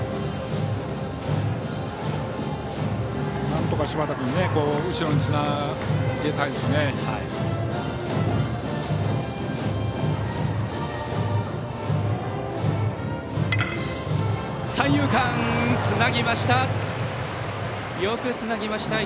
なんとか柴田君後ろにつなげたいですね。